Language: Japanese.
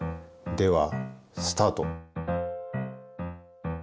ではスタート。